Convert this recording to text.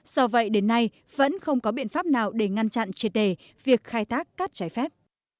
do vậy đến nay vẫn không có biện pháp nào để ngăn chặn triệt đề việc khai thác cát trái phép